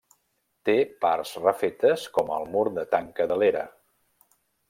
Té parts refetes com el mur de tanca de l'era.